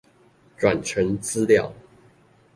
轉成資料